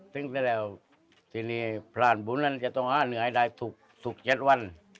ซึ่งแสดงที่นี่พรานบุญจะต้องเอาเหนือให้ได้ถูกเจ็ดวัน